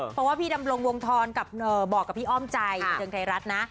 เพราะว่าพี่ดำรงวงธรบอกกับพี่อ้อมใจบันเทิงไทยรัฐนะ